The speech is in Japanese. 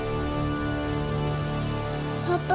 パパ。